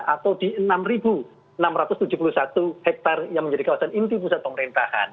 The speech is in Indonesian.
atau di enam enam ratus tujuh puluh satu hektare yang menjadi kawasan inti pusat pemerintahan